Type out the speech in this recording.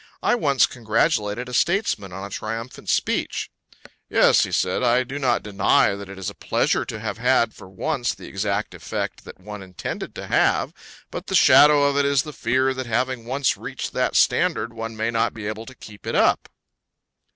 I once congratulated a statesman on a triumphant speech. "Yes," he said, "I do not deny that it is a pleasure to have had for once the exact effect that one intended to have; but the shadow of it is the fear that having once reached that standard, one may not be able to keep it up."